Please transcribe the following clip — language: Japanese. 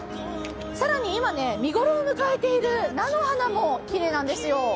更に今、見頃を迎えている菜の花もきれいなんですよ。